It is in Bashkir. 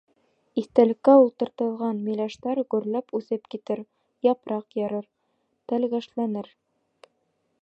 Иҫтәлеккә ултыртылған миләштәр гөрләп үҫеп китер, япраҡ ярыр, тәлгәшләнер.